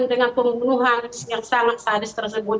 dengan pembunuhan yang sangat sadis tersebut